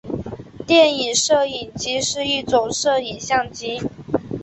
电影摄影机是一种摄影相机。